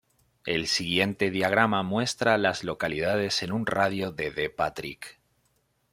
El siguiente diagrama muestra a las localidades en un radio de de Patrick.